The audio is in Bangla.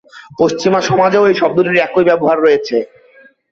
পশ্চিমা সমাজেও এই শব্দটির একই ব্যবহার রয়েছে।